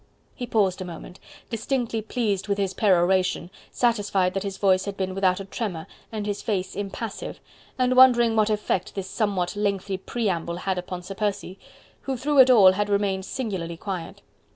He paused a moment, distinctly pleased with his peroration, satisfied that his voice had been without a tremor and his face impassive, and wondering what effect this somewhat lengthy preamble had upon Sir Percy, who through it all had remained singularly quiet.